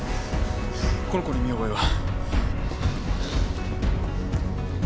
この子に見覚えは？